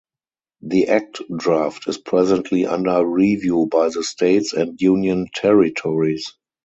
The Act draft is presently under review by the states and union territories.